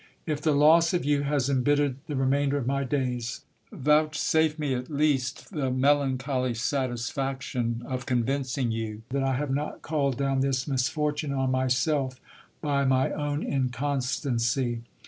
If the loss of you has embittered the remainder of my days, vouch safe me at least the melancholy satisfaction of convincing you that I have not called down this misfortune on myself by my own inconstancy.